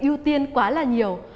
là sự ưu tiên quá là nhiều